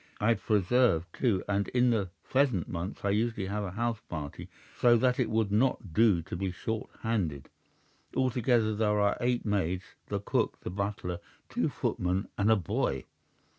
I preserve, too, and in the pheasant months I usually have a house party, so that it would not do to be short handed. Altogether there are eight maids, the cook, the butler, two footmen, and a boy.